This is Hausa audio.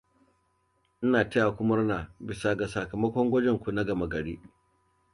Ina taya ku murna bisa ga sakamakon gwajin ku na gama gari.